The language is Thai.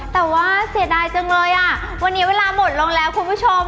แต่ว่าเสียดายจังเลยอ่ะวันนี้เวลาหมดลงแล้วคุณผู้ชม